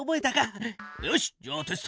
よしっじゃあテストだ！